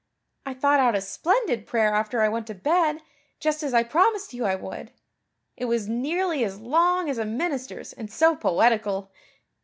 I thought out a splendid prayer after I went to bed, just as I promised you I would. It was nearly as long as a minister's and so poetical.